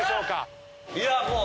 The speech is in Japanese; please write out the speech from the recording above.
いやもう。